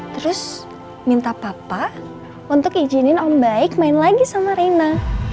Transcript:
terus minta papa untuk izinin om baik main lagi sama rina